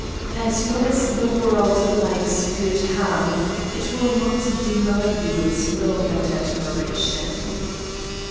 As long as the world likes good ham it will not deny you its love and admiration